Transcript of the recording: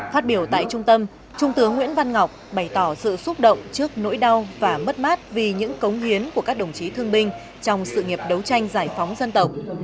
phát biểu tại trung tâm trung tướng nguyễn văn ngọc bày tỏ sự xúc động trước nỗi đau và mất mát vì những cống hiến của các đồng chí thương binh trong sự nghiệp đấu tranh giải phóng dân tộc